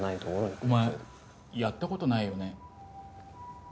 お前やったことないよね？